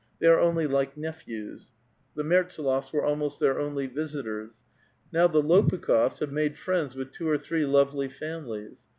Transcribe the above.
they are only like nephews, — the Alerte^lofs were almost their only visitors, — now the Lopukh6fs have made friends with two or three lovely families.